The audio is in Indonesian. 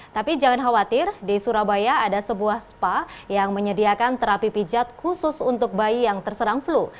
tapi jangan khawatir di surabaya ada sebuah spa yang menyediakan terapi pijat khusus untuk bayi yang terserang flu